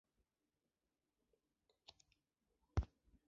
他传授的八极拳都参以一套劈挂掌。